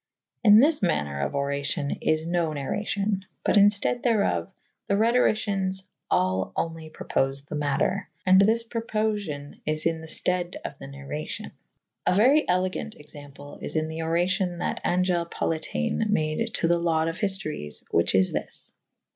In this maner of oracyon is no narracyon / but in ftede therof the Rhetorycyens [C vii b] al only propofe the mater. And this propofiow is in th^ itede of the narracvo;/. A very elegant example is in the oracion that Angele Politiane made to the laude of hiftories / whiche is this.